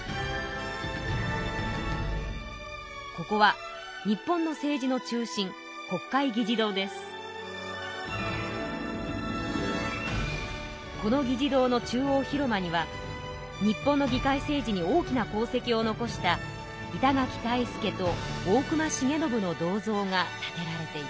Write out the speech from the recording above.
ここは日本の政治の中心この議事堂の中央広間には日本の議会政治に大きな功績を残した板垣退助と大隈重信の銅像が建てられています。